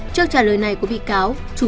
trước trả lời này của bị cáo